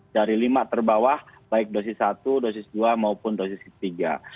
dari lima terbawah baik dosis satu dosis dua maupun dosis ketiga